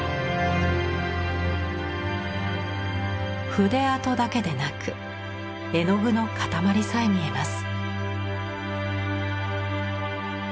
筆跡だけでなく絵の具の塊さえ見えます。